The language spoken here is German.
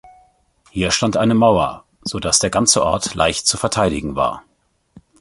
Hier stand eine Mauer, so dass der ganze Ort leicht zu verteidigen war.